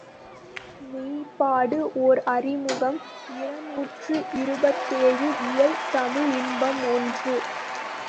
மெய்ப்பாடு ஓர் அறிமுகம் இருநூற்று இருபத்தேழு இயல் தமிழ் இன்பம் ஒன்று.